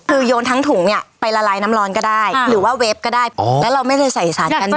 คือโยนทั้งถุงเนี่ยไปละลายน้ำร้อนก็ได้หรือว่าเวฟก็ได้แล้วเราไม่ได้ใส่สารกัน